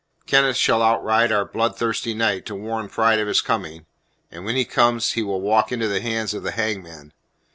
Kenneth shall outride our bloodthirsty knight to warn Pride of his coming, and when he comes he will walk into the hands of the hangman.